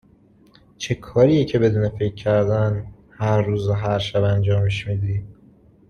چه کاریه که بدون فکر کردن، هر روز و هر شب انجامش میدی؟